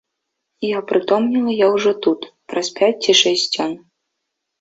І апрытомнела я ўжо тут, праз пяць ці шэсць дзён.